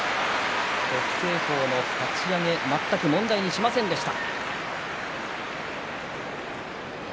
北青鵬のかち上げを全く問題にしませんでした。